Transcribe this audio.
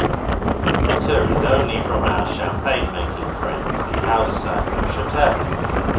"The letter is only from our champagne making friends, the house at Neuchatel.